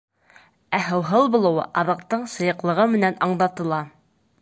Ә һыуһыл булыуы аҙыҡтың шыйыҡлығы менән андатыла.